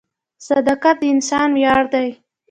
• صداقت د انسان ویاړ دی.